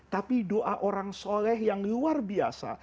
tapi doa orang soleh yang luar biasa